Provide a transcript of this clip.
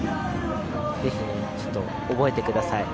ぜひ、覚えてください。